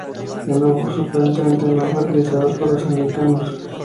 El obús aparentemente no fue utilizados por los americanos.